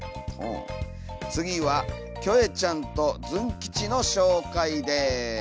次はキョエちゃんとズン吉の紹介です。